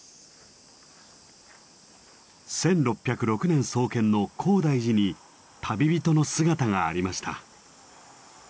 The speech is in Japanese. １６０６年創建の高台寺に旅人の姿がありました。